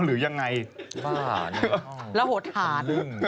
แล้วหดหาด